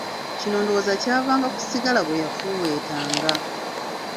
Kino ndowooza kyavanga ku ssigala gwe yafuweetanga.